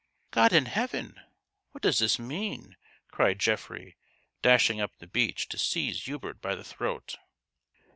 " God in Heaven, what does this mean ?" cried Geoffrey, dashing up the beach, to seize Hubert by the throat.